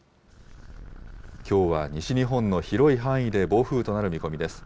きょうは西日本の広い範囲で暴風となる見込みです。